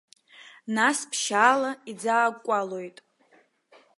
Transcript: Нас ԥшьаала иӡаакәкәалоит.